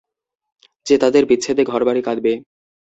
যে তাদের বিচ্ছেদে ঘরবাড়ী কাঁদবে!